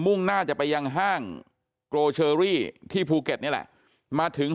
่งหน้าจะไปยังห้างโกเชอรี่ที่ภูเก็ตนี่แหละมาถึง